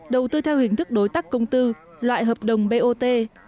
đầu tư theo hình thức đối tác công tư loại hợp đồng bot